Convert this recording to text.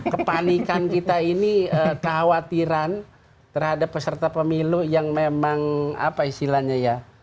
kepanikan kita ini kekhawatiran terhadap peserta pemilu yang memang apa istilahnya ya